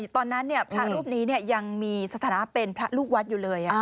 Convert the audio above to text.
ตอนนั้นพระรูปนี้ยังมีสถานะเป็นพระลูกวัดอยู่เลย